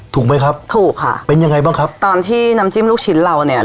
ถูกไหมครับถูกค่ะเป็นยังไงบ้างครับตอนที่น้ำจิ้มลูกชิ้นเราเนี่ย